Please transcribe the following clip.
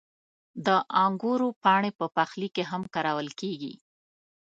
• د انګورو پاڼې په پخلي کې هم کارول کېږي.